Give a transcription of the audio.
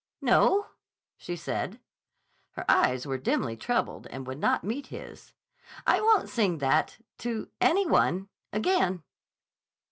"No," she said. Her eyes were dimly troubled and would not meet his. "I won't sing that—to any one—again."